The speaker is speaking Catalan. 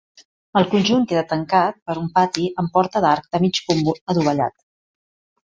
El conjunt queda tancat per un pati amb porta d'arc de mig punt adovellat.